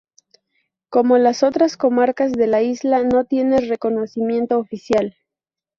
Como las otras comarcas de la isla, no tiene reconocimiento oficial.